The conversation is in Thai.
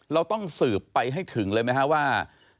เราต้องสืบไปให้ถึงเลยไหมฮะว่า